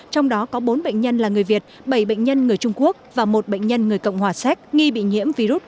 trong đó có bốn bệnh nhân là người việt bảy bệnh nhân người trung quốc và một bệnh nhân người cộng hòa séc nghi bị nhiễm virus corona